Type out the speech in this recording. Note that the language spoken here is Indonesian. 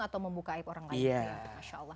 atau membuka aib orang lain